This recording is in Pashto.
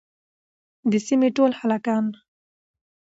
د سيمې ټول هلکان